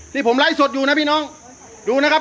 ที่ผมไลฟ์สดอยู่นะพี่น้องดูนะครับ